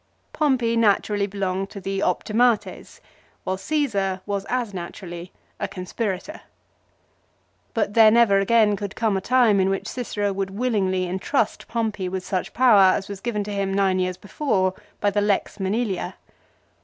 Pompey naturally belonged to the " optimates," while Caesar was as naturally a conspirator. But there never again could come a time in which Cicero would willingly intrust Pompey with such power as was given to him nine years before by the Lex jyTanilia.